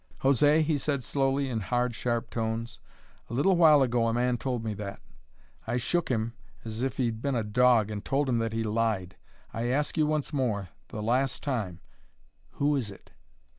"José," he said slowly, in hard, sharp tones, "a little while ago a man told me that. I shook him as if he'd been a dog and told him that he lied. I ask you once more, the last time, who is it?"